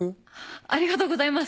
ありがとうございます！